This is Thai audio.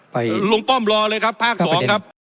ลุงป้อมรอเลยครับภาคสองครับ